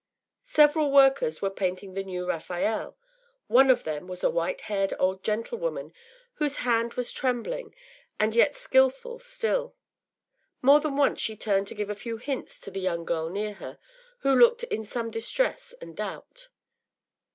Several workers were painting the new Raphael; one of them was a white haired old gentlewoman, whose hand was trembling, and yet skilful still. More than once she turned to give a few hints to the young girl near her, who looked in some distress and doubt.